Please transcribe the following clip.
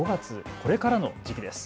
これからの時期です。